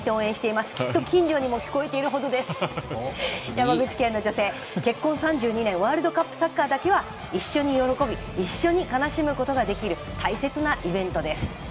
山口県の女性ワールドカップサッカーだけは一緒に喜び一緒に悲しむことができる大切なイベントです。